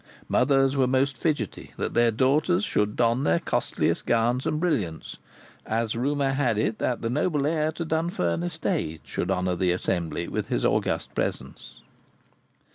Mothers were most fidgetty that their daughters should don their costliest gowns and brilliants, as rumour had it that the noble heir to Dunfern estate should honour the assembly with his august presence.